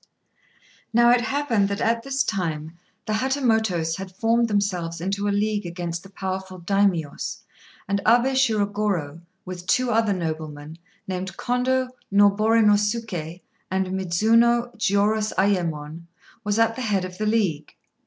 Now it happened that at this time the Hatamotos had formed themselves into a league against the powerful Daimios; and Abé Shirogorô, with two other noblemen, named Kondô Noborinosuké and Midzuno Jiurozayémon, was at the head of the league.